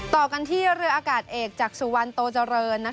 ต่อกันที่เรืออากาศเอกจากสุวรรณโตเจริญ